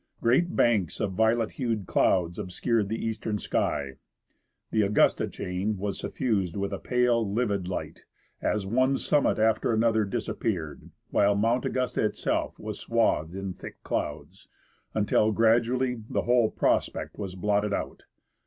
Great banks of violet hued clouds obscured the eastern sky ; the Augusta chain was suffused with a pale, livid light, as one summit after another disappeared ; while Mount Augusta itself was swathed in thick clouds, until gradually the whole prospect was blotted out.